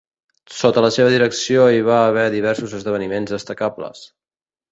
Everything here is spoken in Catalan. Sota la seva direcció hi va haver diversos esdeveniments destacables.